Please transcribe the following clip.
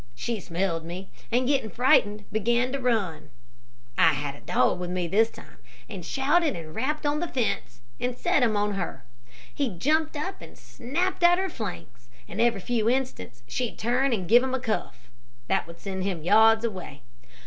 She smelled me, and getting frightened began to run. I had a dog with me this time, and shouted and rapped on the fence, and set him on her. He jumped up and snapped at her flanks, and every few instants she'd turn and give him a cuff, that would send him yards away.